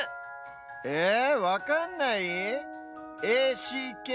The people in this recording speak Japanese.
えぇわかんない？